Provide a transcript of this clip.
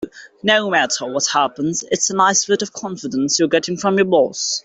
No matter what happens, it's a nice vote of confidence you're getting from your boss.